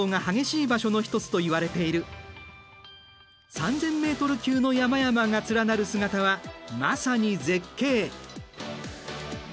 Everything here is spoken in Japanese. ３，０００ｍ級の山々が連なる姿はまさに絶景。